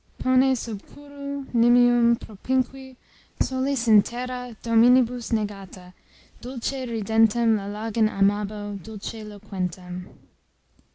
Pone sub curru nimium propinqui Solis in terra dominibus negata; Dulce ridentem Lalagen amabo, Dulce loquentem.